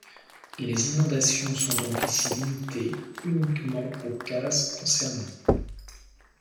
Les inondations sont donc ici limitées uniquement aux cases concernées.